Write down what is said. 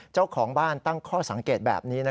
เจ้าของบ้านตั้งข้อสังเกตแบบนี้